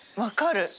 分かる。